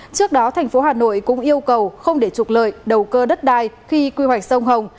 trước đó tp hcm cũng yêu cầu không để trục lợi đầu cơ đất đai khi quy hoạch sông hồng